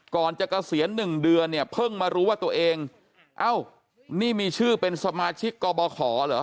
ก่อนจะเกษียณ๑เดือนเนี่ยเพิ่งมารู้ว่าตัวเองเอ้านี่มีชื่อเป็นสมาชิกกบขอเหรอ